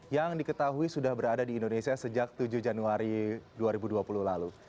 yang diketahui sudah berada di indonesia sejak tujuh januari dua ribu dua puluh lalu